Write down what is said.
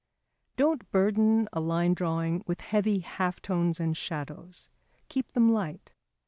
Don't burden a line drawing with heavy half tones and shadows; keep them light.